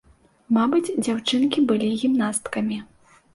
Мабыць, дзяўчынкі былі гімнасткамі.